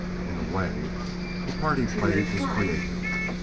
In a way, the part he played was creative.